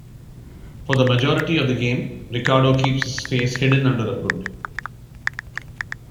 For the majority of the game, Riccardo keeps his face hidden under a hood.